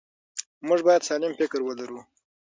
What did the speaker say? موږ باید سالم فکر ولرو.